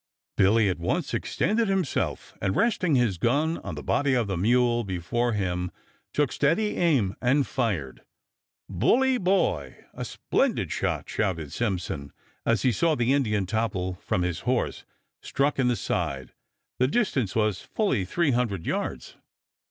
Billy at once extended himself, and resting his gun on the body of the mule before him took steady aim and fired. "Bully boy! A splendid shot!" shouted Simpson, as he saw the Indian topple from his horse, struck in the side. The distance was fully three hundred yards.